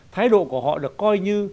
thái độ của họ được coi như